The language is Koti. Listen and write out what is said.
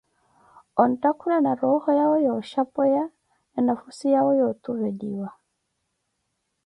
Onttakhula na rooho yawe yooxhapweya na nafhusi yawe yootuveliwa.